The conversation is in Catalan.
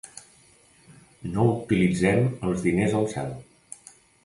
No utilitzem els diners al cel.